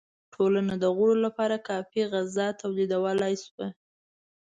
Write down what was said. ټولنه د غړو لپاره کافی غذا تولیدولای شوه.